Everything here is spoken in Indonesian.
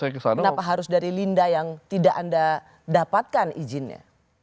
kenapa harus dari linda yang tidak anda dapatkan izinnya